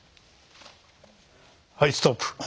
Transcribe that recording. はいストップ。